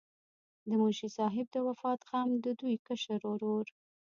د منشي صاحب د وفات غم د دوي کشر ورور